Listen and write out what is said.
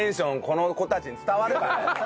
この子たちに伝わるかね？